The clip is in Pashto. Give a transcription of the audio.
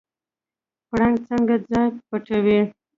پړانګ څنګه ځان پټوي؟